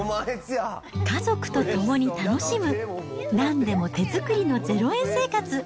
家族と共に楽しむなんでも手作りの０円生活。